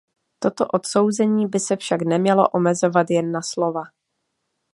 Toto odsouzení by se však nemělo omezovat jen na slova.